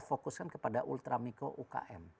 fokuskan kepada ultramikro ukm